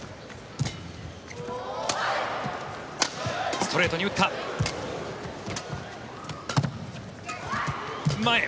ストレートに打った。前へ。